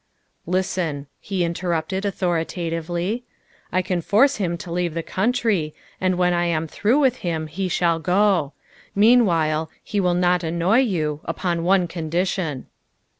" Listen," he interrupted authoritatively, " I can force him to leave the country, and when I am through with him he shall go. Meanwhile, he will not annoy you upon one condition."